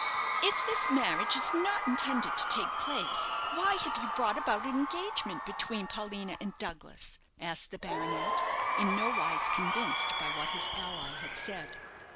"If this marriage is not intended to take place, why have you brought about an engagement between Paulina and Douglas?" asked the baronet, in nowise convinced by what his ally had said.